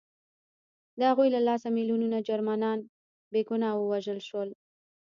د هغوی له لاسه میلیونونه جرمنان بې ګناه ووژل شول